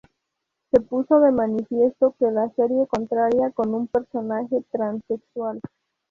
Se puso de manifiesto que la serie contaría con un personaje transexual.